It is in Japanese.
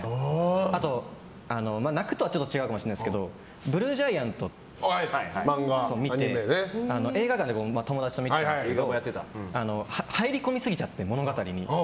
あと、泣くとはちょっと違うかもしれないですが「ＢＬＵＥＧＩＡＮＴ」を見て映画館で友達と見たんですけど入り込みすぎちゃって、物語に。